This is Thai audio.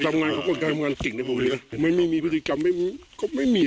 แต่ทำงานเขาก็ทำงานเก่งเลยไม่มีพฤติกรรมก็ไม่มี